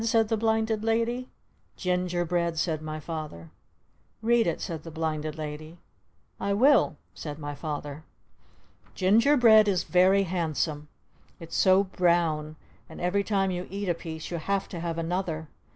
_" said the Blinded Lady. "Ginger bread!" said my Father. "Read it!" said the Blinded Lady. "I will!" said my Father. Ginger bread is very handsome! It's so brown! And every time you eat a piece you have to have another!